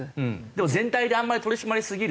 でも全体であんまり取り締まりすぎると。